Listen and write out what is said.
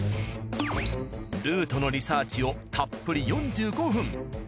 ルートのリサーチをたっぷり４５分。